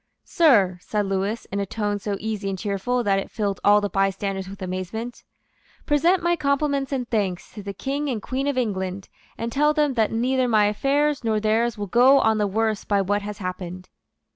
"Sir," said Lewis, in a tone so easy and cheerful that it filled all the bystanders with amazement, "present my compliments and thanks to the King and Queen of England, and tell them that neither my affairs nor theirs will go on the worse by what has happened."